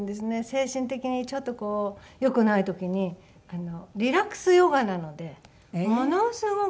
精神的にちょっとこう良くない時にリラックスヨガなのでものすごく。